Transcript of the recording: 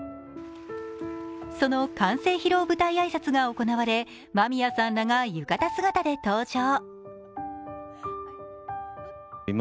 その完成披露舞台挨拶が行われ間宮さんらが浴衣姿で登場。